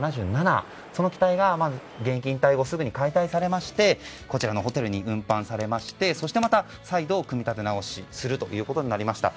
その機体が現役引退後、解体されましてこちらのホテルに運搬されましてそしてまた、再度組み立て直しするということになりました。